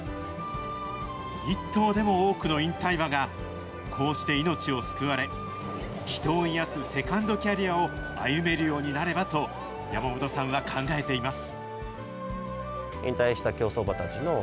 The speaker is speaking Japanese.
一頭でも多くの引退馬が、こうして命を救われ、人を癒やすセカンドキャリアを歩めるようになればと、山本さんは考えています。